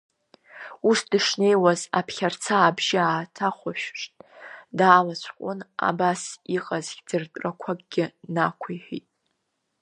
Ус дышнеиуаз аԥхьарца абжьы ааиҭашәахт, даалацәҟәын, абас иҟаз хьӡыртәрақәакгьы нақәиҳәеит…